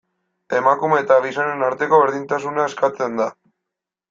Emakume eta gizonen arteko berdintasuna eskatzen da.